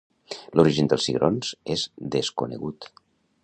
L'origen dels cigrons és desconegut.